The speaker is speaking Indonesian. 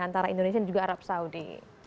antara indonesia dan juga arab saudi